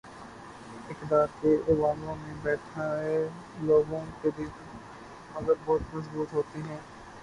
اقتدار کے ایوانوں میں بیٹھے لوگوں کے دل، مگر بہت مضبوط ہوتے ہیں۔